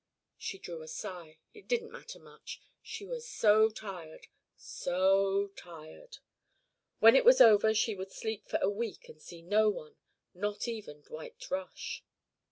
She drew a sigh. It didn't matter much. She was so tired, so tired. When it was over she would sleep for a week and see no one not even Dwight Rush.